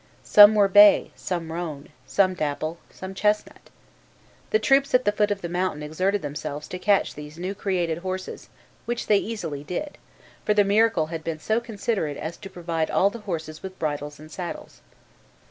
Some were bay, some roan, some dapple, some chestnut. The troops at the foot of the mountain exerted themselves to catch these new created horses, which they easily did, for the miracle had been so considerate as to provide all the horses with bridles and saddles.